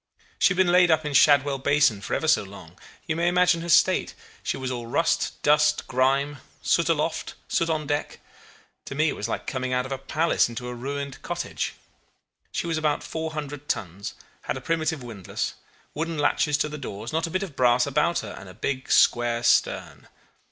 She had been laid up in Shadwell basin for ever so long. You may imagine her state. She was all rust, dust, grime soot aloft, dirt on deck. To me it was like coming out of a palace into a ruined cottage. She was about 400 tons, had a primitive windlass, wooden latches to the doors, not a bit of brass about her, and a big square stern.